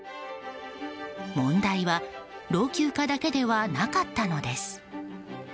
問題は老朽化だけではなかったのです。